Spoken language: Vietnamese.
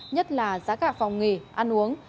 nhất là giá cả phòng nghỉ ăn uống